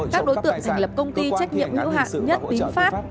các đối tượng thành lập công ty trách nhiệm nhữ hạn nhất tính pháp